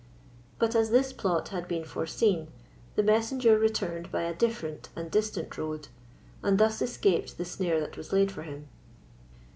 But as this plot had been foreseen, the messenger returned by a different and distant road, and thus escaped the snare that was laid for him.